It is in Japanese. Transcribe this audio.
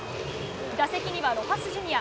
打席には、ロハス・ジュニア。